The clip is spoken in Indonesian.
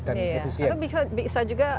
dan efisien atau bisa juga